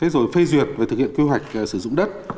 rồi phê duyệt và thực hiện kế hoạch sử dụng đất